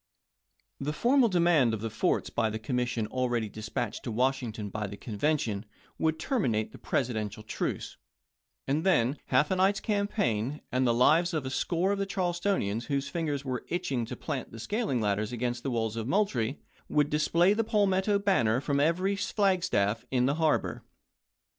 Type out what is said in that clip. The formal demand of the forts by the commission already dispatched to Washington by the Conven tion would terminate the Presidential truce; and then half a night's campaign, and the lives of a score of the Charlestonians whose fingers were itching to plant scaling ladders against the walls of Moultrie, would display the palmetto banner from every flag staff in the harbor.